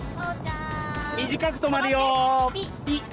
短く止まるよピッ！